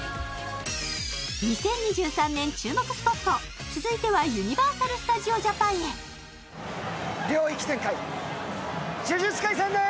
２０２３年注目スポット続いてはユニバーサル・スタジオ・ジャパンへ「呪術廻戦」です！